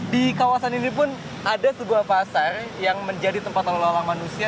di kawasan ini pun ada sebuah pasar yang menjadi tempat lela manusia